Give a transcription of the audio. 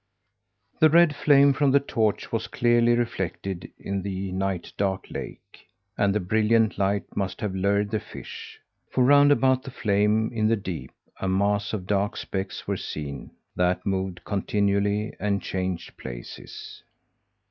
The red flame from the torch was clearly reflected in the night dark lake; and the brilliant light must have lured the fish, for round about the flame in the deep a mass of dark specks were seen, that moved continually, and changed places.